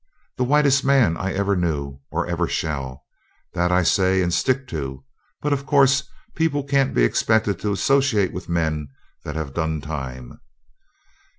The whitest man I ever knew, or ever shall that I say and stick to but of course people can't be expected to associate with men that have 'done time'.